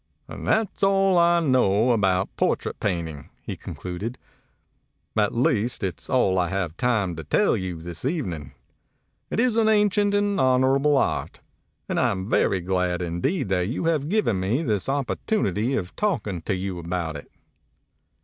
"And that's all I know about portrait paint ing," he concluded. "At least, it's all I have time to toll you this evening. It is an ancient and honorable art; and I'm very glad indeed that you have given me this opportunity of talking to you about it."